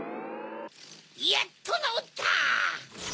やっとなおった！